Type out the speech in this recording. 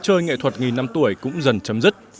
chơi nghệ thuật nghìn năm tuổi cũng dần chấm dứt